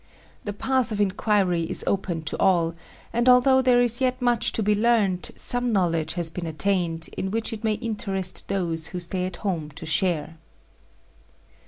The path of inquiry is open to all; and although there is yet much to be learnt, some knowledge has been attained, in which it may interest those who stay at home to share.